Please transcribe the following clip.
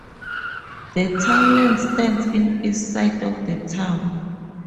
The townland stands in east side of the town.